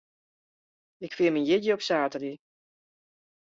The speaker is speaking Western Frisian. Ik fier myn jierdei op saterdei.